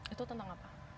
itu tentang apa